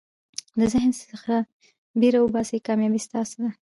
د ذهن څخه بېره وباسئ، کامیابي ستاسي ده.